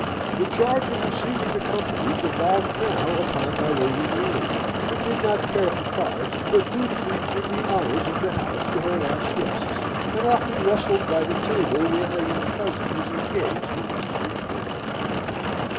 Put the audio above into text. The charge of receiving the company devolved now upon my Lady Maria, who did not care for cards, but dutifully did the honours of the house to her aunt's guests, and often rustled by the table where her young cousin was engaged with his three friends.